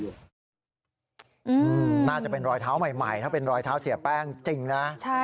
น่าจะเป็นรอยเท้าใหม่ถ้าเป็นรอยเท้าเสียแป้งจริงนะ